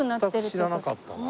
これは全く知らなかったな。